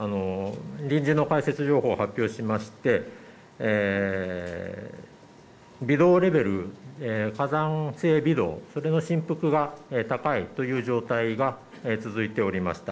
臨時の解説情報を発表しまして微動レベル火山性微動、それの振幅が高いという状態が続いておりました。